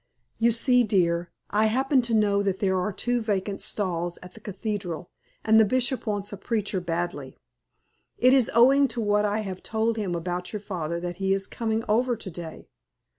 "You see, dear, I happen to know that there are two vacant stalls at the cathedral, and the Bishop wants a preacher badly. It is owing to what I have told him about your father that he is coming over to day.